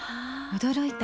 驚いた。